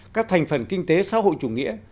các thành phần kinh tế xã hội chủ nghĩa